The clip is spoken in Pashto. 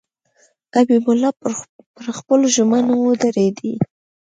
حبیب الله پر خپلو ژمنو ودرېدی.